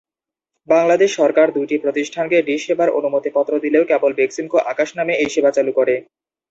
বাংলাদেশ সরকার দুইটি প্রতিষ্ঠানকে ডিশ সেবার অনুমতিপত্র দিলেও কেবল বেক্সিমকো আকাশ নামে এই সেবা চালু করে।